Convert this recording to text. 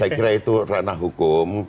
saya kira itu ranah hukum